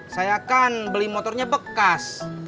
saya kan beli motornya bekas